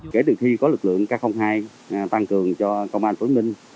kể từ khi có lực lượng k hai tăng cường cho công an tối minh